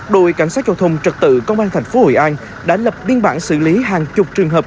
đội cảnh sát giao thông trật tự công an thành phố hồi an đã lập biên bản xử lý hàng chục trường hợp